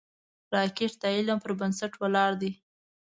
راکټ د علم پر بنسټ ولاړ دی